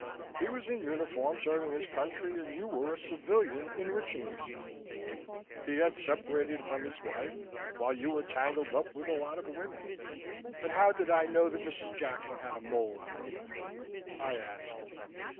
He was in uniform, serving his country, and you were a civilian, enriching yourself. He had separated from his wife while you were tangled up with a lot of women...." "But how did I know that Mrs. Jacklin had a mole on her left hip?" I asked.